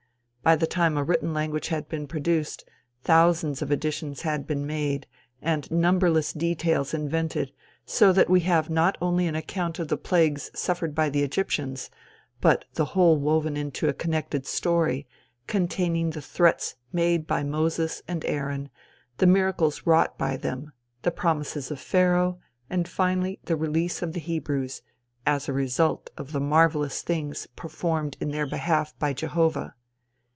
By the time a written language had been produced, thousands of additions had been made, and numberless details invented; so that we have not only an account of the plagues suffered by the Egyptians, but the whole woven into a connected story, containing the threats made by Moses and Aaron, the miracles wrought by them, the promises of Pharaoh, and finally the release of the Hebrews, as a result of the marvelous things performed in their behalf by Jehovah.